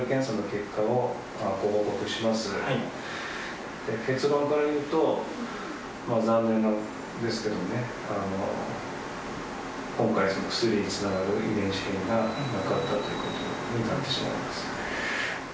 結論から言うと、残念なんですけどね、今回、薬につながる遺伝子変異がなかったということになってしまいます。